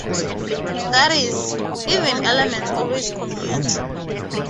That is, even elements always commute.